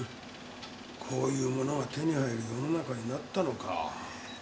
こういうものが手に入る世の中になったのか。